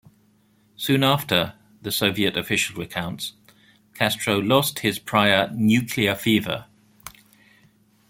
Soon after, the Soviet official recounts, Castro lost his prior "nuclear fever".